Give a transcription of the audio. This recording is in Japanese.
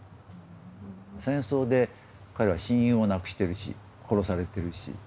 戦争で彼は親友を亡くしてるし殺されてるし。